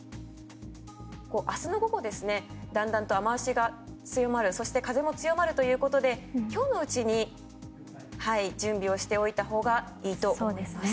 明日の午後だんだんと雨脚が強まるそして、風も強まるということで今日のうちに準備をしておいたほうがいいと思います。